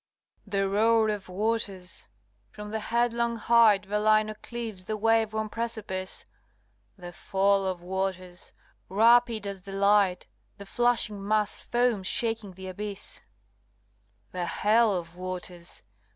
LXIX. The roar of waters! from the headlong height Velino cleaves the wave worn precipice; The fall of waters! rapid as the light The flashing mass foams shaking the abyss; The hell of waters!